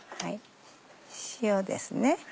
塩ですね。